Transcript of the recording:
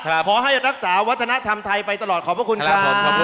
ขอให้รักษาวัฒนธรรมไทยไปตลอดขอบพระคุณครับผมขอบคุณ